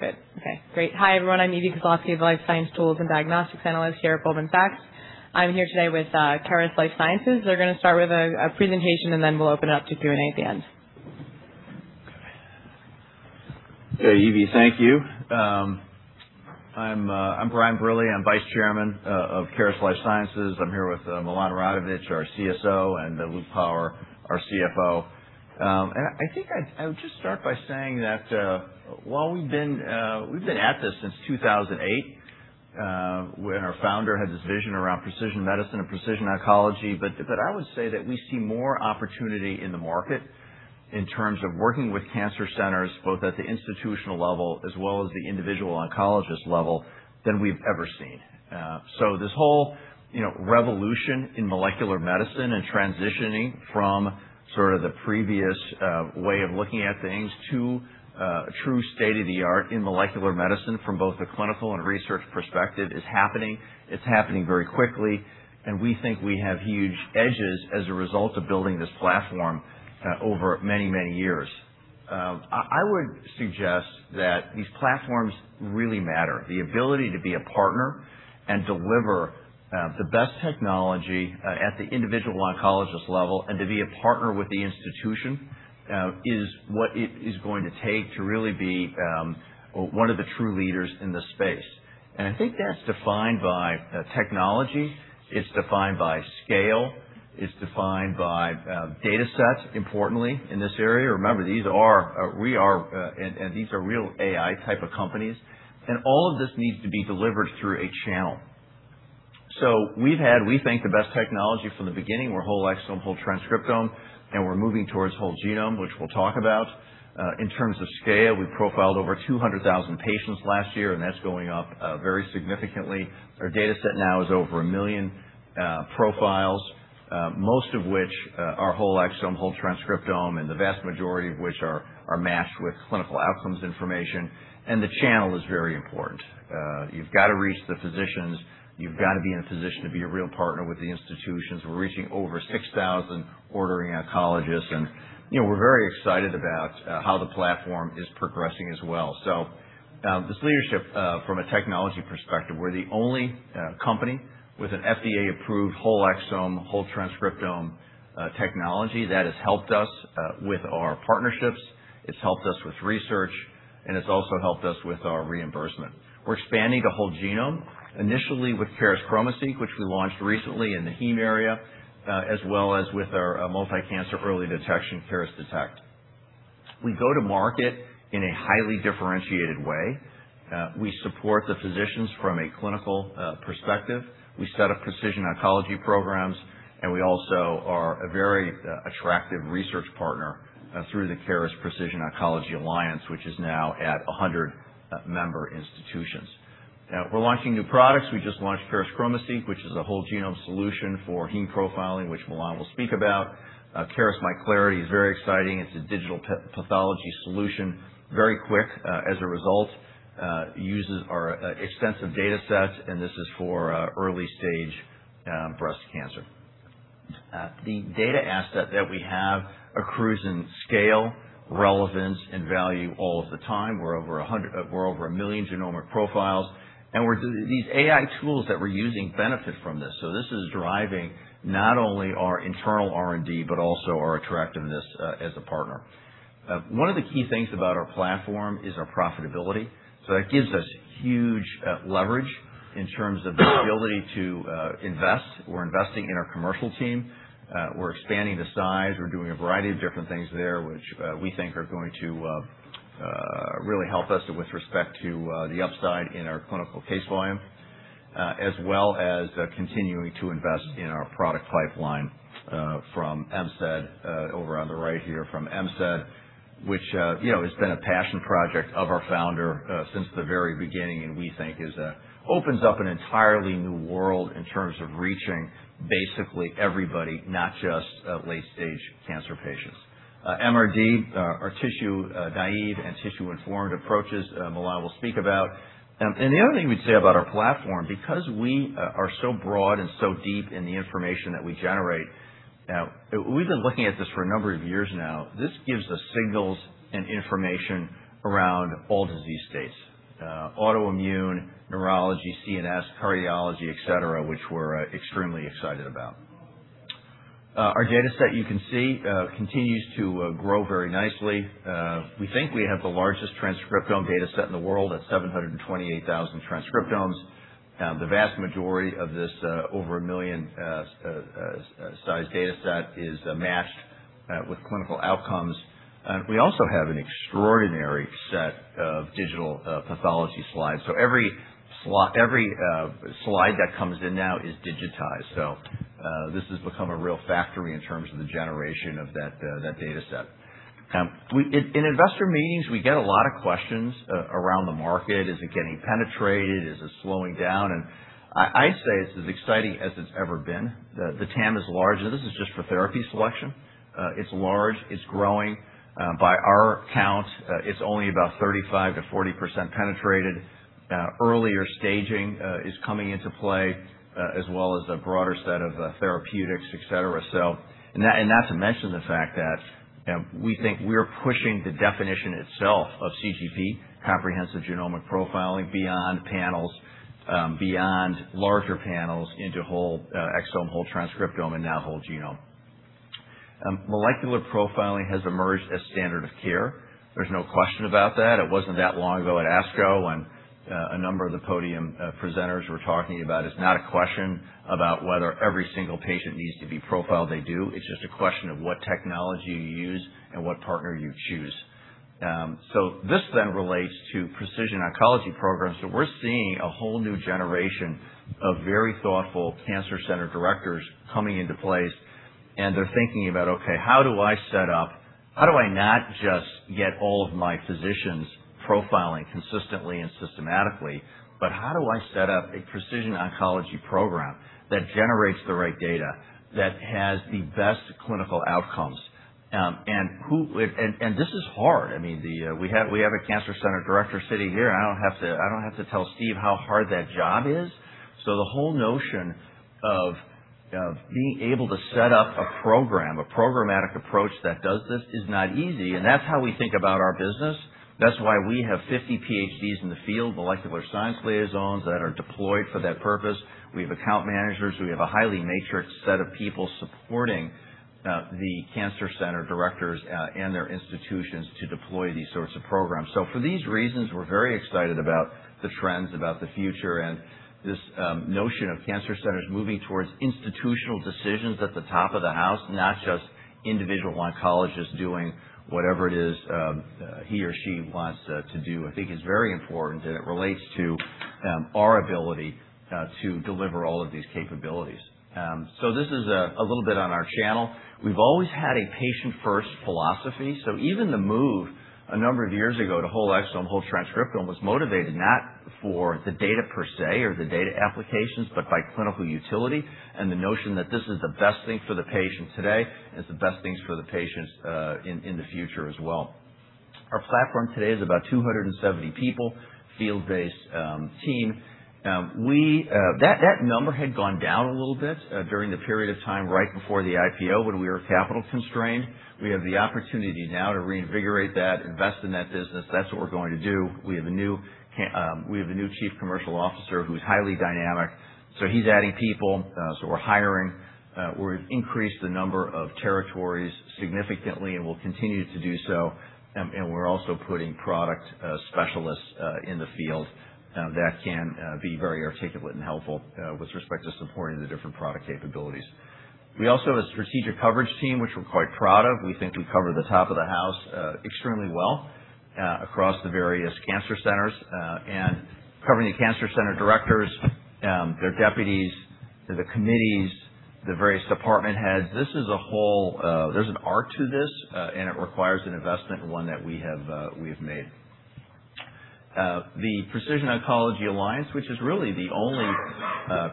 Okay, great. Hi, everyone. I'm Evie Koslosky, Life Science Tools and Diagnostics Analyst here at Goldman Sachs. I'm here today with Caris Life Sciences. They're going to start with a presentation, then we'll open it up to Q&A at the end. Okay. Evie, thank you. I'm Brian Brille. I'm Vice Chairman of Caris Life Sciences. I'm here with Milan Radovich, our CSO, and Luke Power, our CFO. I think I would just start by saying that while we've been at this since 2008, when our founder had this vision around precision medicine and precision oncology, I would say that we see more opportunity in the market in terms of working with cancer centers, both at the institutional level as well as the individual oncologist level, than we've ever seen. This whole revolution in molecular medicine and transitioning from sort of the previous way of looking at things to a true state-of-the-art in molecular medicine from both a clinical and research perspective is happening. It's happening very quickly, we think we have huge edges as a result of building this platform over many, many years. I would suggest that these platforms really matter. The ability to be a partner and deliver the best technology at the individual oncologist level and to be a partner with the institution is what it is going to take to really be one of the true leaders in this space. I think that's defined by technology, it's defined by scale, it's defined by datasets, importantly, in this area. Remember, these are real AI type of companies, all of this needs to be delivered through a channel. We've had, we think, the best technology from the beginning. We're whole exome, whole transcriptome, and we're moving towards whole genome, which we'll talk about. In terms of scale, we profiled over 200,000 patients last year, that's going up very significantly. Our dataset now is over a million profiles, most of which are whole exome, whole transcriptome, the vast majority of which are matched with clinical outcomes information. The channel is very important. You've got to reach the physicians. You've got to be in a position to be a real partner with the institutions. We're reaching over 6,000 ordering oncologists, we're very excited about how the platform is progressing as well. This leadership from a technology perspective, we're the only company with an FDA-approved whole exome, whole transcriptome technology that has helped us with our partnerships, it's helped us with research, it's also helped us with our reimbursement. We're expanding to whole genome, initially with Caris ChromoSeq, which we launched recently in the heme area, as well as with our multi-cancer early detection, Caris Detect. We go to market in a highly differentiated way. We support the physicians from a clinical perspective. We set up precision oncology programs, and we also are a very attractive research partner through the Caris Precision Oncology Alliance, which is now at 100 member institutions. Now we're launching new products. We just launched Caris ChromoSeq, which is a whole genome solution for heme profiling, which Milan will speak about. Caris MI Clarity is very exciting. It's a digital pathology solution, very quick as a result, uses our extensive data sets, and this is for early-stage breast cancer. The data asset that we have accrues in scale, relevance, and value all of the time. We're over a million genomic profiles, and these AI tools that we're using benefit from this. This is driving not only our internal R&D, but also our attractiveness as a partner. One of the key things about our platform is our profitability. That gives us huge leverage in terms of the ability to invest. We're investing in our commercial team. We're expanding the size. We're doing a variety of different things there, which we think are going to really help us with respect to the upside in our clinical case volume as well as continuing to invest in our product pipeline from MCED over on the right here. From MCED, which has been a passion project of our founder since the very beginning and we think opens up an entirely new world in terms of reaching basically everybody, not just late-stage cancer patients. MRD, our tissue naive and tissue-informed approaches, Milan will speak about. The other thing we'd say about our platform, because we are so broad and so deep in the information that we generate, we've been looking at this for a number of years now. This gives us signals and information around all disease states, autoimmune, neurology, CNS, cardiology, et cetera, which we're extremely excited about. Our data set, you can see, continues to grow very nicely. We think we have the largest transcriptome data set in the world at 728,000 transcriptomes. The vast majority of this over a million size data set is matched with clinical outcomes. We also have an extraordinary set of digital pathology slides. Every slide that comes in now is digitized. This has become a real factory in terms of the generation of that data set. In investor meetings, we get a lot of questions around the market. Is it getting penetrated? Is it slowing down? I say it's as exciting as it's ever been. The TAM is large, and this is just for therapy selection. It's large. It's growing. By our count, it's only about 35%-40% penetrated. Earlier staging is coming into play as well as a broader set of therapeutics, et cetera. Not to mention the fact that we think we're pushing the definition itself of CGP, comprehensive genomic profiling, beyond larger panels into whole exome, whole transcriptome, and now whole genome. Molecular profiling has emerged as standard of care. There's no question about that. It wasn't that long ago at ASCO when a number of the podium presenters were talking about it's not a question about whether every single patient needs to be profiled, they do. It's just a question of what technology you use and what partner you choose. This then relates to precision oncology programs. We're seeing a whole new generation of very thoughtful cancer center directors coming into place, and they're thinking about, okay, how do I not just get all of my physicians profiling consistently and systematically, but how do I set up a precision oncology program that generates the right data, that has the best clinical outcomes? This is hard. We have a cancer center director sitting here. I don't have to tell Steve how hard that job is. The whole notion of being able to set up a program, a programmatic approach that does this is not easy, and that's how we think about our business. That's why we have 50 PhDs in the field, molecular science liaisons that are deployed for that purpose. We have account managers. We have a highly matrixed set of people supporting the cancer center directors, and their institutions to deploy these sorts of programs. For these reasons, we're very excited about the trends, about the future, and this notion of cancer centers moving towards institutional decisions at the top of the house, not just individual oncologists doing whatever it is he or she wants to do, I think is very important, and it relates to our ability to deliver all of these capabilities. This is a little bit on our channel. We've always had a patient-first philosophy, even the move a number of years ago to whole exome, whole transcriptome was motivated not for the data per se or the data applications, but by clinical utility and the notion that this is the best thing for the patient today, and it's the best things for the patients in the future as well. Our platform today is about 270 people, field-based team. That number had gone down a little bit during the period of time right before the IPO when we were capital constrained. We have the opportunity now to reinvigorate that, invest in that business. That's what we're going to do. We have a new chief commercial officer who's highly dynamic, he's adding people. We're hiring. We've increased the number of territories significantly and will continue to do so. We're also putting product specialists in the field that can be very articulate and helpful with respect to supporting the different product capabilities. We also have a strategic coverage team, which we're quite proud of. We think we cover the top of the house extremely well across the various cancer centers. Covering the cancer center directors, their deputies, the committees, the various department heads. There's an art to this, and it requires an investment and one that we have made. The Precision Oncology Alliance, which is really the only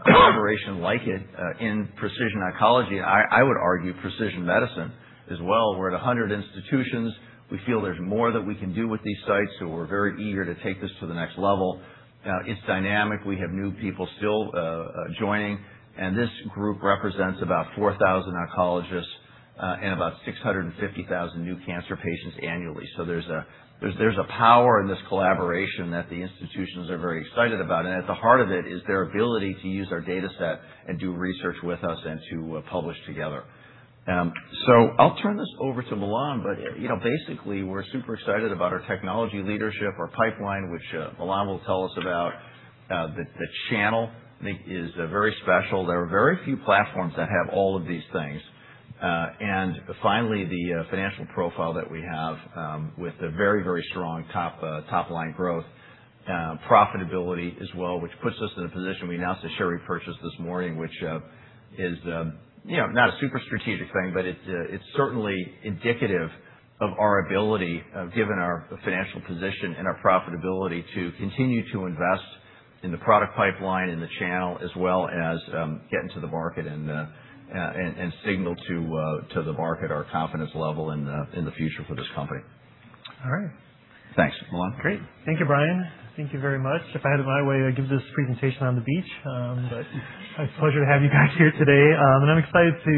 collaboration like it in precision oncology, I would argue precision medicine as well. We're at 100 institutions. We feel there's more that we can do with these sites, we're very eager to take this to the next level. It's dynamic. We have new people still joining. This group represents about 4,000 oncologists, and about 650,000 new cancer patients annually. There's a power in this collaboration that the institutions are very excited about. At the heart of it is their ability to use our data set and do research with us and to publish together. I'll turn this over to Milan, but basically, we're super excited about our technology leadership, our pipeline, which Milan will tell us about. The channel, I think, is very special. There are very few platforms that have all of these things. Finally, the financial profile that we have with a very strong top line growth, profitability as well, which puts us in a position. We announced a share repurchase this morning, which is not a super strategic thing, but it's certainly indicative of our ability, given our financial position and our profitability, to continue to invest in the product pipeline and the channel, as well as get into the market and signal to the market our confidence level in the future for this company. All right. Thanks. Milan? Great. Thank you, Brian. Thank you very much. If I had it my way, I'd give this presentation on the beach. It's a pleasure to have you guys here today. I'm excited to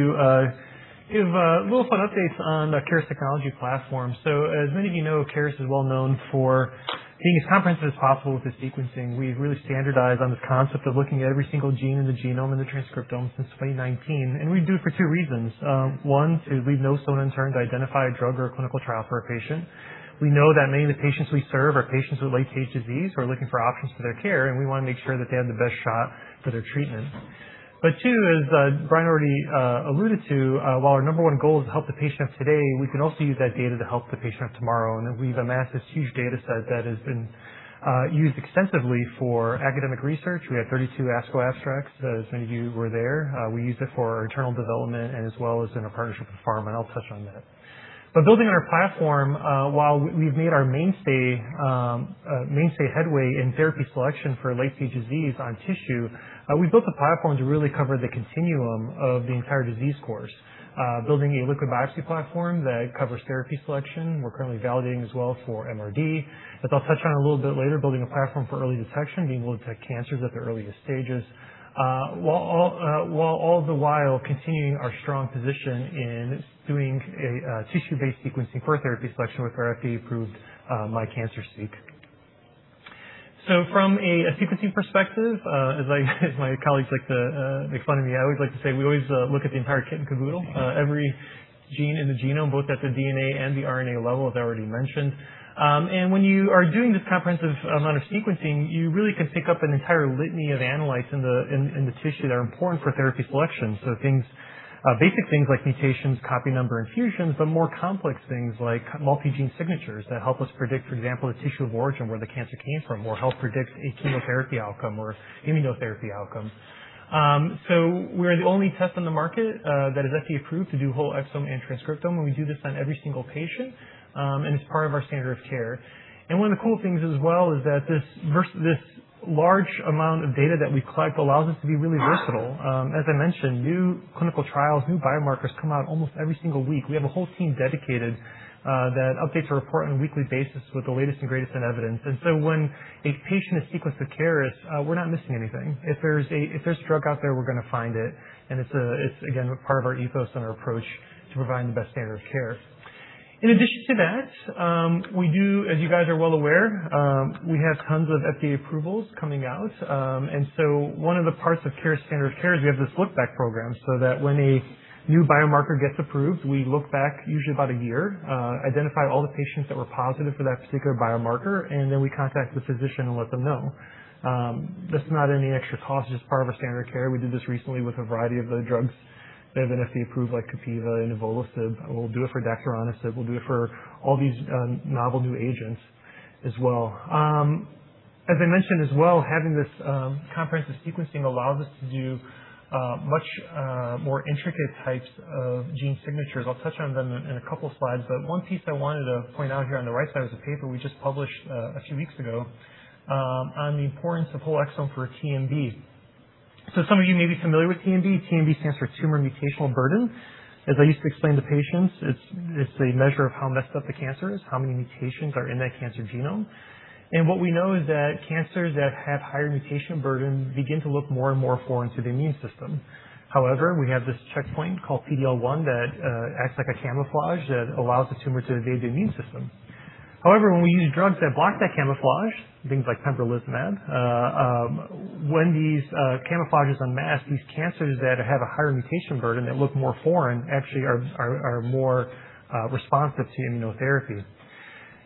give little fun updates on our Caris technology platform. As many of you know, Caris is well known for being as comprehensive as possible with the sequencing. We've really standardized on this concept of looking at every single gene in the genome and the transcriptome since 2019. We do it for two reasons. One, to leave no stone unturned to identify a drug or a clinical trial for a patient. We know that many of the patients we serve are patients with late-stage disease who are looking for options for their care, and we want to make sure that they have the best shot for their treatment. Two, as Brian already alluded to, while our number one goal is to help the patient of today, we can also use that data to help the patient of tomorrow. We've amassed this huge data set that has been used extensively for academic research. We had 32 ASCO abstracts, as many of you were there. We used it for our internal development and as well as in a partnership with pharma, and I'll touch on that. Building on our platform, while we've made our mainstay headway in therapy selection for late-stage disease on tissue, we built the platform to really cover the continuum of the entire disease course. Building a liquid biopsy platform that covers therapy selection. We're currently validating as well for MRD. I'll touch on a little bit later, building a platform for early detection, being able to detect cancers at their earliest stages, while all the while continuing our strong position in doing a tissue-based sequencing for therapy selection with our FDA-approved MI Cancer Seek. From a sequencing perspective, as my colleagues like to make fun of me, I always like to say we always look at the entire kit and caboodle. Every gene in the genome, both at the DNA and the RNA level, as I already mentioned. When you are doing this comprehensive amount of sequencing, you really can pick up an entire litany of analytes in the tissue that are important for therapy selection. Basic things like mutations, copy number, and fusions, but more complex things like multi-gene signatures that help us predict, for example, the tissue of origin, where the cancer came from, or help predict a chemotherapy outcome or immunotherapy outcome. We're the only test on the market that is FDA approved to do whole exome and transcriptome, and we do this on every single patient, and it's part of our standard of care. One of the cool things as well is that this large amount of data that we collect allows us to be really versatile. As I mentioned, new clinical trials, new biomarkers come out almost every single week. We have a whole team dedicated that updates a report on a weekly basis with the latest and greatest in evidence. When a patient is sequenced with Caris, we're not missing anything. If there's a drug out there, we're going to find it's again, part of our ethos and our approach to providing the best standard of care. In addition to that, we do, as you guys are well aware, we have tons of FDA approvals coming out. One of the parts of Caris standard of care is we have this lookback program so that when a new biomarker gets approved, we look back usually about a year, identify all the patients that were positive for that particular biomarker, and then we contact the physician and let them know. This is not any extra cost. It's just part of our standard care. We did this recently with a variety of the drugs that have been FDA approved, like capivasertib and evolocumab. We'll do it for tacrolimus. We'll do it for all these novel new agents as well. As I mentioned as well, having this comprehensive sequencing allows us to do much more intricate types of gene signatures. I'll touch on them in a couple slides, but one piece I wanted to point out here on the right side is a paper we just published a few weeks ago on the importance of whole exome for TMB. Some of you may be familiar with TMB. TMB stands for tumor mutational burden. As I used to explain to patients, it's a measure of how messed up the cancer is, how many mutations are in that cancer genome. What we know is that cancers that have higher mutation burden begin to look more and more foreign to the immune system. However, we have this checkpoint called PD-L1 that acts like a camouflage that allows the tumor to evade the immune system. However, when we use drugs that block that camouflage, things like pembrolizumab, when these camouflage is unmasked, these cancers that have a higher mutation burden that look more foreign actually are more responsive to immunotherapy.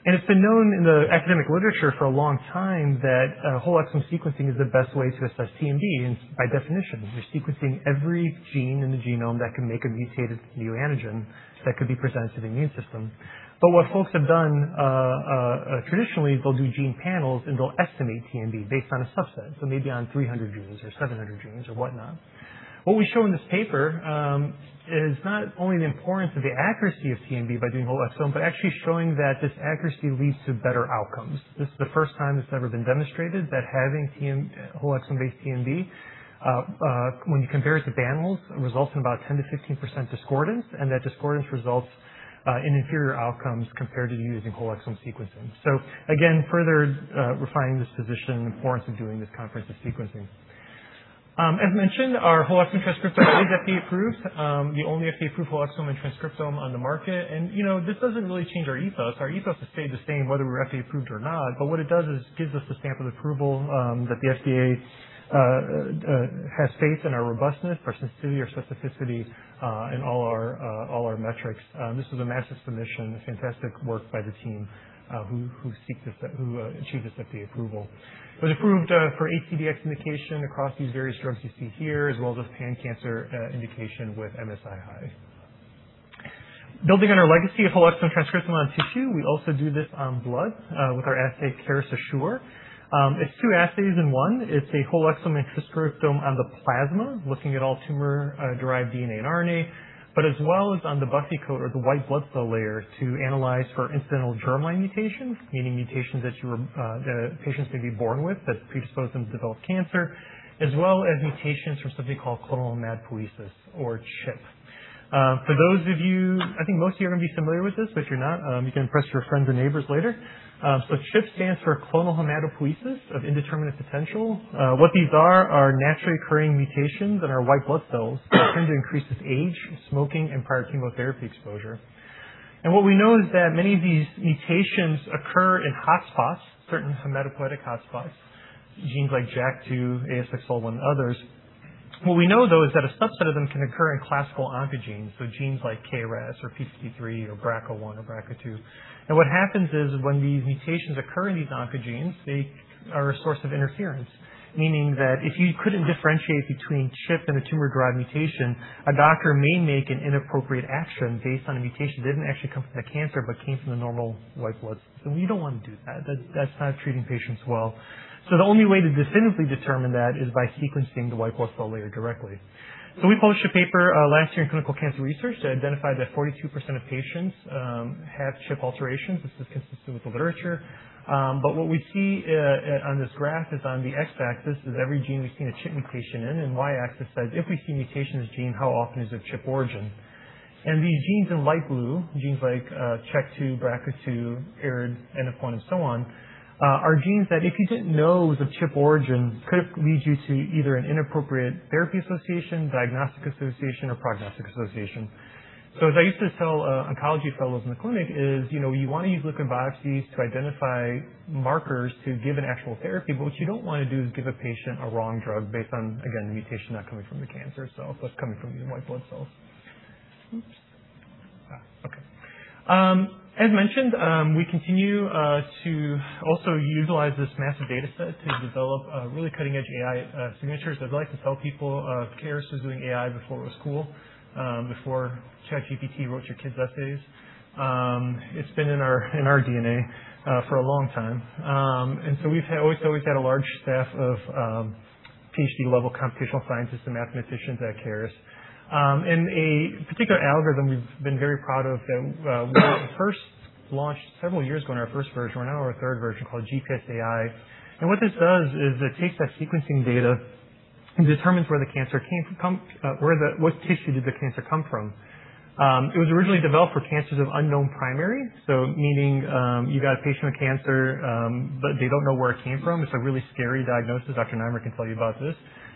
It's been known in the academic literature for a long time that whole exome sequencing is the best way to assess TMB, and by definition, we're sequencing every gene in the genome that can make a mutated neoantigen that could be presented to the immune system. What folks have done, traditionally, they'll do gene panels, and they'll estimate TMB based on a subset, so maybe on 300 genes or 700 genes or whatnot. What we show in this paper is not only the importance of the accuracy of TMB by doing whole exome but actually showing that this accuracy leads to better outcomes. This is the first time it's ever been demonstrated that having whole exome-based TMB, when you compare it to panels, results in about 10%-15% discordance, and that discordance results in inferior outcomes compared to using whole exome sequencing. Again, further refining this position, the importance of doing this comprehensive sequencing. As mentioned, our whole exome transcriptome is FDA approved, the only FDA-approved whole exome and transcriptome on the market, this doesn't really change our ethos. Our ethos has stayed the same whether we're FDA approved or not, what it does is gives us the stamp of approval that the FDA has faith in our robustness, our sensitivity, our specificity in all our metrics. This was a massive submission, fantastic work by the team who achieved this FDA approval. It was approved for CDx indication across these various drugs you see here, as well as pan-cancer indication with MSI-H. Building on our legacy of whole exome transcriptome on tissue, we also do this on blood with our assay, Caris Assure. It's two assays in one. It's a whole exome and transcriptome on the plasma, looking at all tumor-derived DNA and RNA, but as well as on the buffy coat or the white blood cell layer to analyze for incidental germline mutations, meaning mutations that patients may be born with that predispose them to develop cancer, as well as mutations from something called clonal hematopoiesis or CHIP. For those of you, I think most of you are going to be familiar with this, but if you're not, you can impress your friends or neighbors later. CHIP stands for clonal hematopoiesis of indeterminate potential. What these are naturally occurring mutations in our white blood cells that tend to increase with age, smoking, and prior chemotherapy exposure. What we know is that many of these mutations occur in hotspots, certain hematopoietic hotspots, genes like JAK2, ASXL1, and others. What we know, though, is that a subset of them can occur in classical oncogenes, so genes like K-RAS or TP53 or BRCA1 or BRCA2. What happens is when these mutations occur in these oncogenes, they are a source of interference, meaning that if you couldn't differentiate between CHIP and a tumor-derived mutation, a doctor may make an inappropriate action based on a mutation that didn't actually come from the cancer but came from the normal white bloods. We don't want to do that. That's not treating patients well. The only way to definitively determine that is by sequencing the white blood cell layer directly. We published a paper last year in Clinical Cancer Research that identified that 42% of patients had CHIP alterations. This is consistent with the literature. What we see on this graph is on the x-axis is every gene we've seen a CHIP mutation in, and y-axis says if we see a mutation in this gene, how often is it CHIP origin? These genes in light blue, genes like CHEK2, BRCA2, ARID1A, NF1, and so on, are genes that if you didn't know was of CHIP origin could lead you to either an inappropriate therapy association, diagnostic association, or prognostic association. As I used to tell oncology fellows in the clinic is, you want to use liquid biopsies to identify markers to give an actual therapy. What you don't want to do is give a patient a wrong drug based on, again, mutation not coming from the cancer cell, but coming from the white blood cells. As mentioned, we continue to also utilize this massive data set to develop really cutting-edge AI signatures. As I like to tell people, Caris was doing AI before it was cool, before ChatGPT wrote your kids' essays. It's been in our DNA for a long time. We've always had a large staff of PhD-level computational scientists and mathematicians at Caris. A particular algorithm we've been very proud of that we first launched several years ago in our first version. We're now on our third version called GPSai. What this does is it takes that sequencing data and determines what tissue did the cancer come from. It was originally developed for Cancer of Unknown Primary, meaning, you have a patient with cancer, but they do not know where it came from. It is a really scary diagnosis. Dr. Nimer can tell you about this.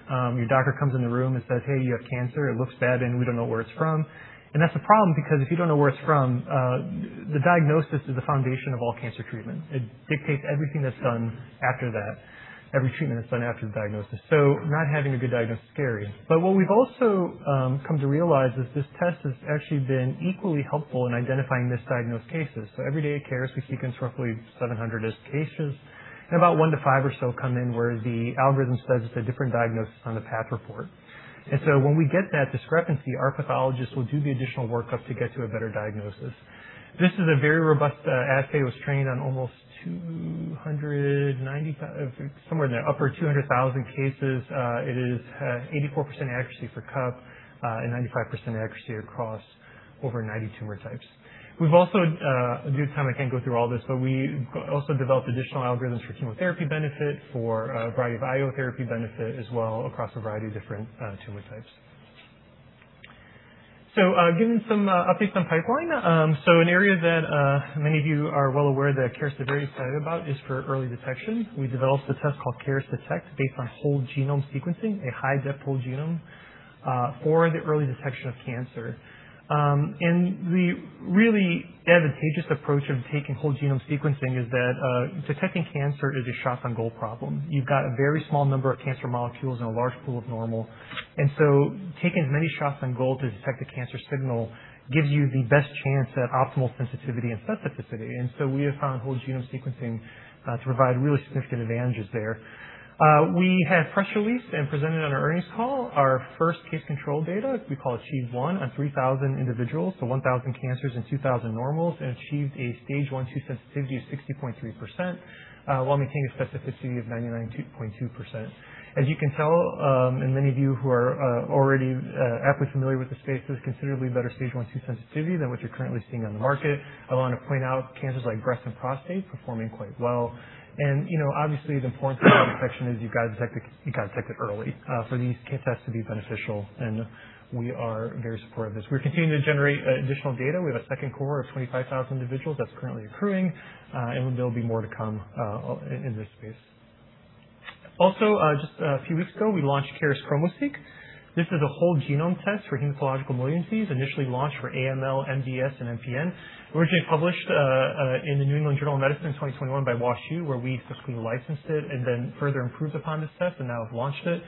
Your doctor comes in the room and says, "Hey, you have cancer. It looks bad, and we do not know where it is from." That is a problem because if you do not know where it is from, the diagnosis is the foundation of all cancer treatment. It dictates everything that is done after that, every treatment that is done after the diagnosis. Not having a good diagnosis is scary. But what we have also come to realize is this test has actually been equally helpful in identifying misdiagnosed cases. Every day at Caris, we sequence roughly 700-ish cases, and about one to five or so come in where the algorithm says it is a different diagnosis on the path report. When we get that discrepancy, our pathologist will do the additional workup to get to a better diagnosis. This is a very robust assay. It was trained on almost 295, somewhere in the upper 200,000 cases. It is 84% accuracy for CUP and 95% accuracy across over 90 tumor types. We have also, due to time, I cannot go through all this, but we also developed additional algorithms for chemotherapy benefit, for a variety of IO therapy benefit as well, across a variety of different tumor types. Giving some updates on pipeline. An area that many of you are well aware that Caris is very excited about is for early detection. We developed a test called Caris Detect based on whole genome sequencing, a high-depth whole genome for the early detection of cancer. The really advantageous approach of taking whole genome sequencing is that detecting cancer is a shots on goal problem. You have got a very small number of cancer molecules and a large pool of normal. Taking as many shots on goal to detect a cancer signal gives you the best chance at optimal sensitivity and specificity. We have found whole genome sequencing to provide really significant advantages there. We have press released and presented on our earnings call our first case control data, we call Achieve 1, on 3,000 individuals, so 1,000 cancers and 2,000 normals, and achieved a Stage 1-2 sensitivity of 60.3% while maintaining a specificity of 99.2%. You can tell, and many of you who are already aptly familiar with the space, there is considerably better Stage 1-2 sensitivity than what you are currently seeing on the market. I want to point out cancers like breast and prostate performing quite well. Obviously, the importance of early detection is you have got to detect it early for these tests to be beneficial, and we are very supportive of this. We are continuing to generate additional data. We have a second core of 25,000 individuals that is currently accruing, and there will be more to come in this space. Also, just a few weeks ago, we launched Caris ChromoSeq. This is a whole genome test for hematological malignancies, initially launched for AML, MDS, and MPN. Originally published in the New England Journal of Medicine in 2021 by WashU, where we exclusively licensed it and then further improved upon this test and now have launched it.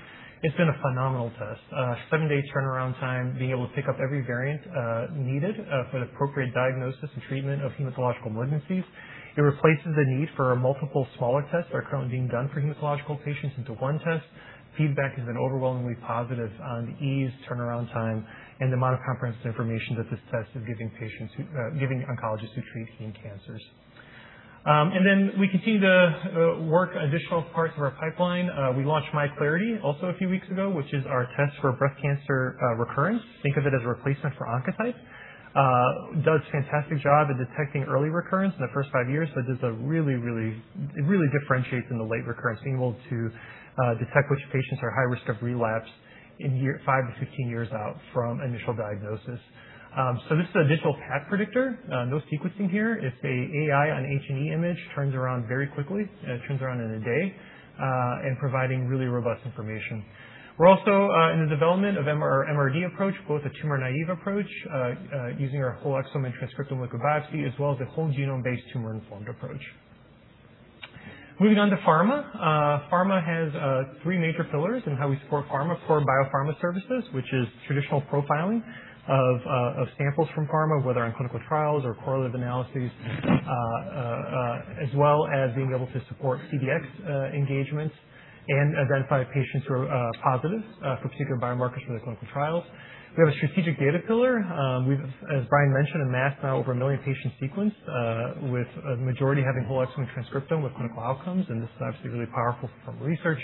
It's been a phenomenal test. Seven-day turnaround time, being able to pick up every variant needed for the appropriate diagnosis and treatment of hematological malignancies. It replaces the need for multiple smaller tests that are currently being done for hematological patients into one test. Feedback has been overwhelmingly positive on the ease, turnaround time, and the amount of comprehensive information that this test is giving oncologists who treat heme cancers. We continue to work additional parts of our pipeline. We launched MI Clarity also a few weeks ago, which is our test for breast cancer recurrence. Think of it as a replacement for Oncotype. Does a fantastic job in detecting early recurrence in the first five years, but does a really differentiates in the late recurrence, being able to detect which patients are high risk of relapse in 5-15 years out from initial diagnosis. This is an initial path predictor. No sequencing here. It's a AI on H&E image, turns around very quickly. It turns around in a day, and providing really robust information. We're also in the development of our MRD approach, both a tumor-naive approach using our whole exome and transcriptome liquid biopsy, as well as a whole genome-based tumor-informed approach. Moving on to Pharma. Pharma has three major pillars in how we support pharma. Core biopharma services, which is traditional profiling of samples from pharma, whether on clinical trials or correlative analyses, as well as being able to support CDx engagements and identify patients who are positive for particular biomarkers for those clinical trials. We have a strategic data pillar. As Brian mentioned, amassed now over a million patients sequenced, with a majority having whole exome and transcriptome with clinical outcomes, and this is obviously really powerful for pharma research.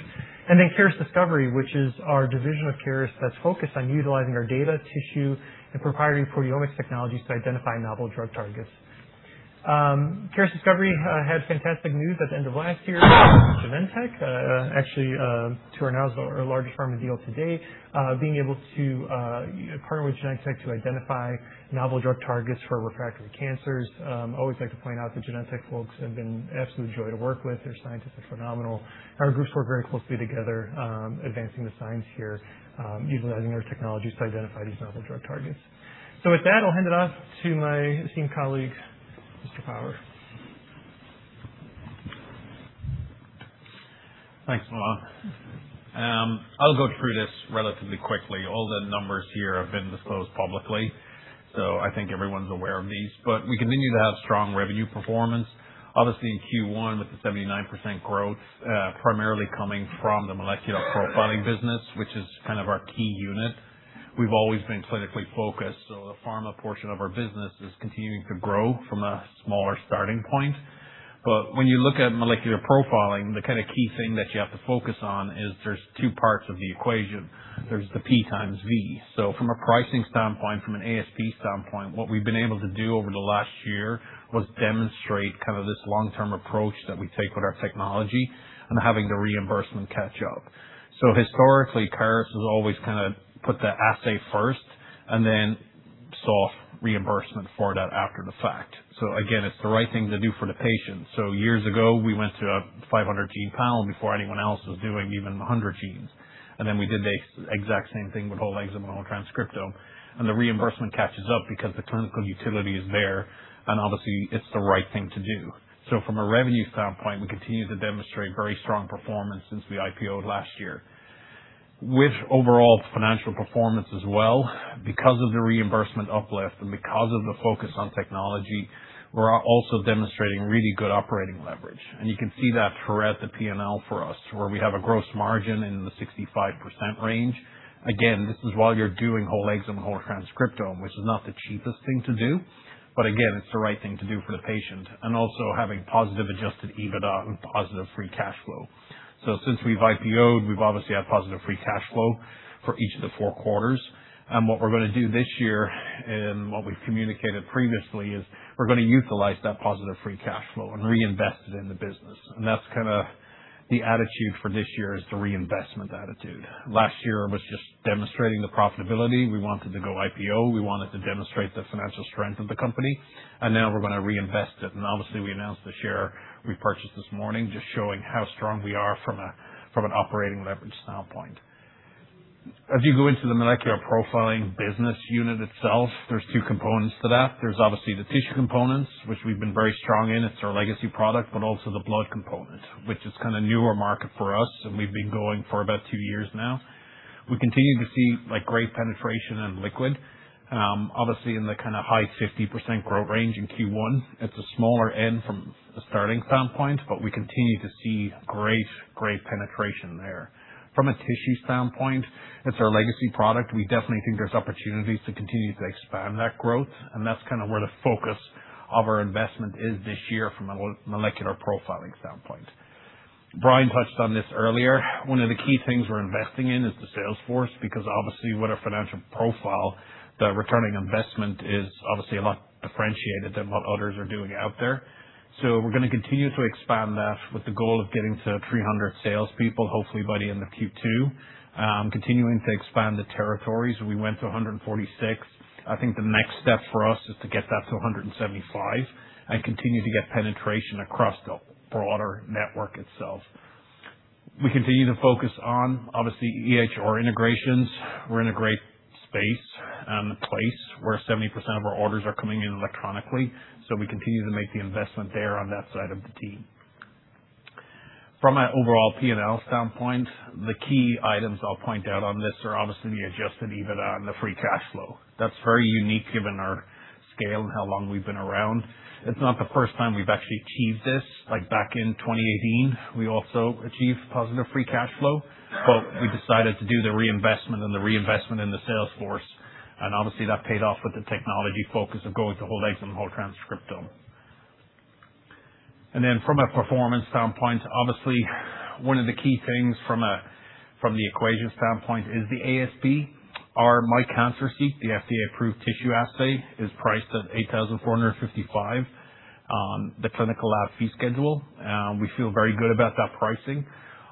Caris Discovery, which is our division of Caris that's focused on utilizing our data, tissue, and proprietary proteomics technologies to identify novel drug targets. Caris Discovery had fantastic news at the end of last year with Genentech, actually to our knowledge, our largest pharma deal to date, being able to partner with Genentech to identify novel drug targets for refractory cancers. Always like to point out the Genentech folks have been an absolute joy to work with. Their scientists are phenomenal. Our groups work very closely together, advancing the science here, utilizing their technologies to identify these novel drug targets. With that, I'll hand it off to my esteemed colleague, Mr. Power. Thanks, Milan. I'll go through this relatively quickly. All the numbers here have been disclosed publicly, so I think everyone's aware of these. We continue to have strong revenue performance, obviously in Q1 with the 79% growth primarily coming from the molecular profiling business, which is kind of our key unit. We've always been clinically focused, the pharma portion of our business is continuing to grow from a smaller starting point. When you look at molecular profiling, the kind of key thing that you have to focus on is there's two parts of the equation. There's the P times V. From a pricing standpoint, from an ASP standpoint, what we've been able to do over the last year was demonstrate this long-term approach that we take with our technology and having the reimbursement catch up. Historically, Caris has always kind of put the assay first and then saw reimbursement for that after the fact. Again, it's the right thing to do for the patient. Years ago, we went to a 500-gene panel before anyone else was doing even 100 genes. And then we did the exact same thing with whole exome, whole transcriptome, and the reimbursement catches up because the clinical utility is there, and obviously, it's the right thing to do. From a revenue standpoint, we continue to demonstrate very strong performance since we IPO'd last year. With overall financial performance as well, because of the reimbursement uplift and because of the focus on technology, we're also demonstrating really good operating leverage. You can see that throughout the P&L for us, where we have a gross margin in the 65% range. Again, this is while you're doing whole exome, whole transcriptome, which is not the cheapest thing to do, but again, it's the right thing to do for the patient, and also having positive adjusted EBITDA and positive free cash flow. Since we've IPO'd, we've obviously had positive free cash flow for each of the four quarters. What we're going to do this year, and what we've communicated previously is we're going to utilize that positive free cash flow and reinvest it in the business. That's kind of the attitude for this year, is the reinvestment attitude. Last year was just demonstrating the profitability. We wanted to go IPO. We wanted to demonstrate the financial strength of the company, and now we're going to reinvest it. Obviously, we announced the share repurchase this morning, just showing how strong we are from an operating leverage standpoint. As you go into the molecular profiling business unit itself, there's two components to that. There's obviously the tissue components, which we've been very strong in. It's our legacy product, but also the blood component, which is kind of newer market for us, and we've been going for about two years now. We continue to see great penetration in liquid. Obviously, in the kind of high 50% growth range in Q1. It's a smaller N from a starting standpoint, but we continue to see great penetration there. From a tissue standpoint, it's our legacy product. We definitely think there's opportunities to continue to expand that growth, and that's kind of where the focus of our investment is this year from a molecular profiling standpoint. Brian touched on this earlier. One of the key things we're investing in is the sales force, because obviously with our financial profile, the returning investment is obviously a lot differentiated than what others are doing out there. We're going to continue to expand that with the goal of getting to 300 salespeople, hopefully by the end of Q2. Continuing to expand the territories. We went to 146. I think the next step for us is to get that to 175 and continue to get penetration across the broader network itself. We continue to focus on, obviously, EHR integrations. We're in a great space and place where 70% of our orders are coming in electronically. We continue to make the investment there on that side of the team. From an overall P&L standpoint, the key items I'll point out on this are obviously the adjusted EBITDA and the free cash flow. That's very unique given our scale and how long we've been around. It's not the first time we've actually achieved this. Back in 2018, we also achieved positive free cash flow, but we decided to do the reinvestment and the reinvestment in the sales force, and obviously, that paid off with the technology focus of going to whole exome, whole transcriptome. From a performance standpoint, obviously, one of the key things from the equation standpoint is the ASP. Our MI Cancer Seek, the FDA-approved tissue assay, is priced at $8,455 on the clinical lab fee schedule. We feel very good about that pricing.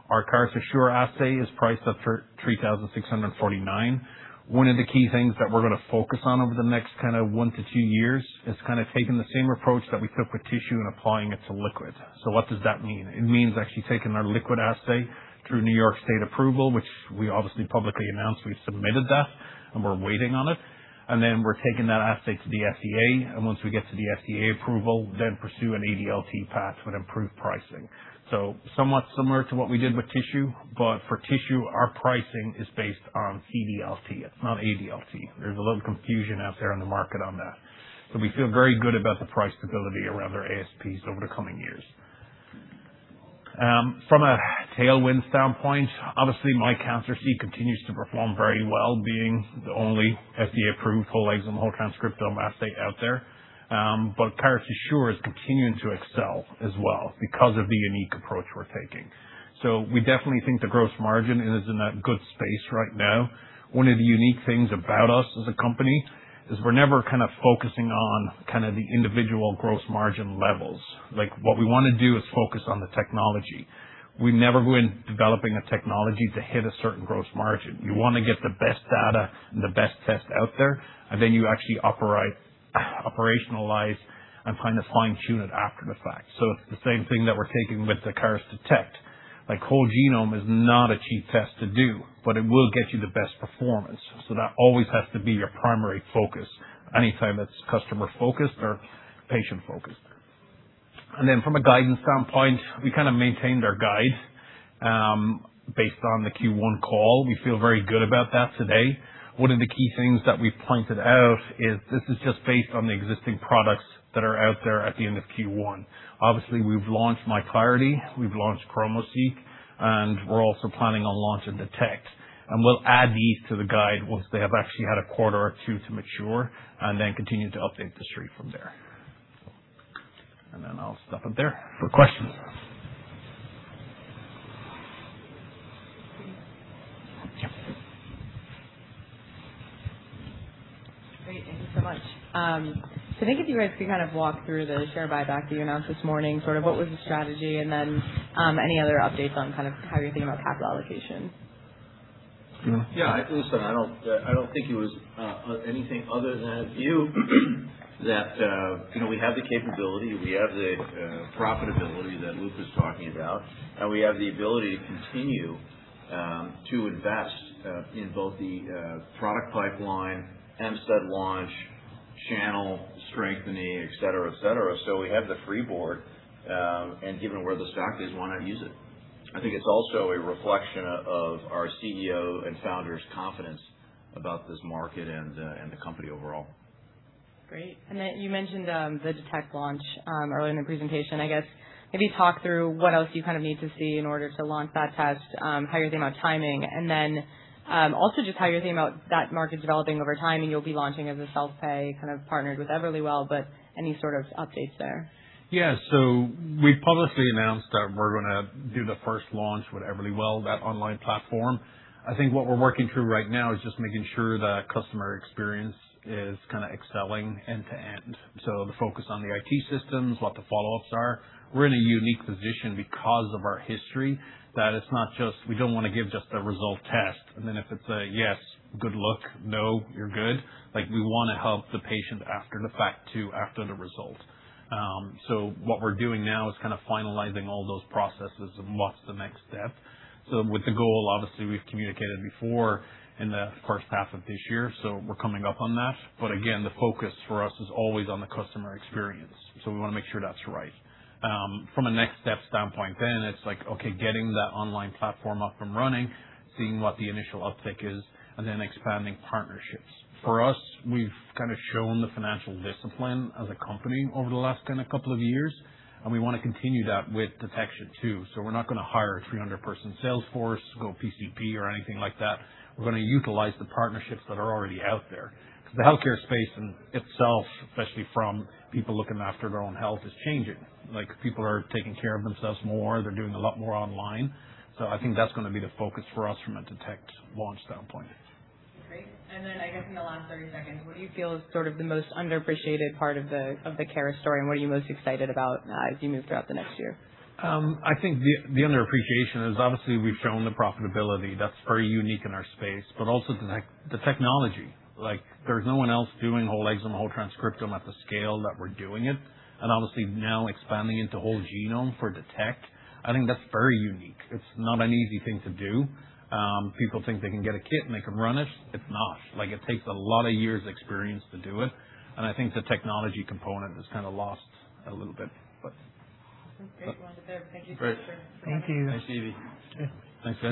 Our Caris Assure assay is priced up for $3,649. One of the key things that we're going to focus on over the next one to two years is taking the same approach that we took with tissue and applying it to liquid. What does that mean? It means actually taking our liquid assay through New York State approval, which we obviously publicly announced. We've submitted that and we're waiting on it. We're taking that assay to the FDA, and once we get to the FDA approval, then pursue an ADLT path with improved pricing. Somewhat similar to what we did with tissue, but for tissue, our pricing is based on CDLT, it's not ADLT. There's a little confusion out there in the market on that. We feel very good about the price stability around our ASPs over the coming years. From a tailwind standpoint, obviously, MI Cancer Seek continues to perform very well, being the only FDA-approved whole exome, whole transcriptome assay out there. Caris Assure is continuing to excel as well because of the unique approach we're taking. We definitely think the gross margin is in a good space right now. One of the unique things about us as a company is we're never kind of focusing on the individual gross margin levels. What we want to do is focus on the technology. We never go in developing a technology to hit a certain gross margin. You want to get the best data and the best test out there, and then you actually operationalize and kind of fine-tune it after the fact. It's the same thing that we're taking with the Caris Detect. Whole genome is not a cheap test to do, but it will get you the best performance. That always has to be your primary focus anytime it's customer-focused or patient-focused. From a guidance standpoint, we maintained our guide based on the Q1 call. We feel very good about that today. One of the key things that we've pointed out is this is just based on the existing products that are out there at the end of Q1. Obviously, we've launched Caris MI Clarity, we've launched Caris ChromoSeq, and we're also planning on launching Detect. We'll add these to the guide once they have actually had a quarter or two to mature, and then continue to update The Street from there. I'll stop it there for questions. Great. Thank you so much. I think if you guys could walk through the share buyback that you announced this morning, what was the strategy, and then any other updates on how you're thinking about capital allocation? Yeah. Listen, I don't think it was anything other than a view that we have the capability, we have the profitability that Luke was talking about, and we have the ability to continue to invest in both the product pipeline, MCED launch, channel strengthening, et cetera. We have the free board, and given where the stock is, why not use it? I think it's also a reflection of our CEO and founder's confidence about this market and the company overall. Great. You mentioned the Detect launch earlier in the presentation. I guess maybe talk through what else you need to see in order to launch that test, how you're thinking about timing, and then also just how you're thinking about that market developing over time. You'll be launching as a self-pay, partnered with Everlywell, but any sort of updates there? We publicly announced that we're going to do the first launch with Everlywell, that online platform. I think what we're working through right now is just making sure the customer experience is excelling end-to-end. The focus on the IT systems, what the follow-ups are. We're in a unique position because of our history, that it's not just we don't want to give just a result test, and then if it's a yes, good look, no, you're good. We want to help the patient after the fact, too, after the result. We're doing now is finalizing all those processes and what's the next step. With the goal, we've communicated before in the first half of this year, so we're coming up on that. Again, the focus for us is always on the customer experience. We want to make sure that's right. From a next step standpoint, it's getting that online platform up and running, seeing what the initial uptick is, and then expanding partnerships. For us, we've shown the financial discipline as a company over the last couple of years, and we want to continue that with Detect, too. We're not going to hire a 300-person sales force, go PCP or anything like that. We're going to utilize the partnerships that are already out there. The healthcare space in itself, especially from people looking after their own health, is changing. People are taking care of themselves more. They're doing a lot more online. I think that's going to be the focus for us from a Detect launch standpoint. Great. I guess in the last 30 seconds, what do you feel is the most underappreciated part of the Caris story, and what are you most excited about as you move throughout the next year? I think the underappreciation is we've shown the profitability. That's very unique in our space. Also the technology. There's no one else doing whole exome, whole transcriptome at the scale that we're doing it. And now expanding into whole genome for Detect, I think that's very unique. It's not an easy thing to do. People think they can get a kit and they can run it. It's not. It takes a lot of years' experience to do it. I think the technology component is kind of lost a little bit. Great. We'll end it there. Thank you so much. Great. Thank you. Thanks, Evie. Yeah. Thanks, guys.